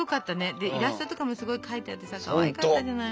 でイラストとかもすごい描いてあってさかわいかったじゃない。